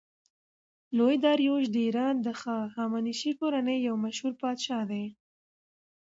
لوی داریوش د ایران د هخامنشي کورنۍ یو مشهور پادشاه دﺉ.